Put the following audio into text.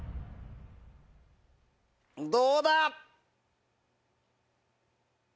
どうだ？